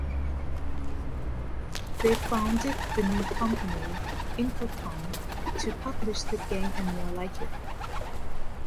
They founded the new company, Infocom, to publish the game and more like it.